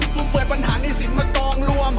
ฟุ่มเฟย์ปัญหานี้สินมาต้องรวม